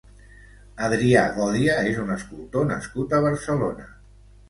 Adrià Gòdia és un escultor nascut a Barcelona.